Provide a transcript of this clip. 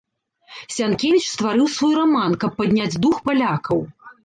Сянкевіч стварыў свой раман, каб падняць дух палякаў.